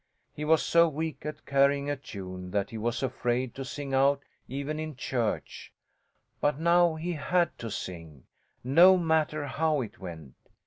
He was so weak at carrying a tune that he was afraid to sing out even in church; but now he had to sing, no matter how it went.